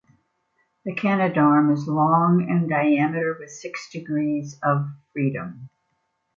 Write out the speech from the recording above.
The Canadarm is long and diameter with six degrees of freedom.